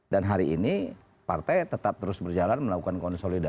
dan hari ini partai tetap terus berjalan melakukan konsolidasi